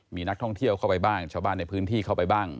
มีนักท่องเที่ยวเข้าไปบ้างชาวบ้านในพื้นที่เข้าไปบ้าง